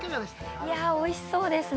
◆いやあ、おいしそうですね。